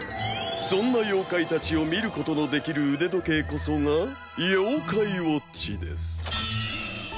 そんな妖怪たちを見ることのできる腕時計こそが妖怪ウォッチです。